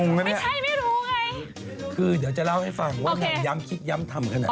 ไม่ใช่ไม่รู้ไงคือเดี๋ยวจะเล่าให้ฟังว่านางย้ำคิดย้ำทำขนาดไหน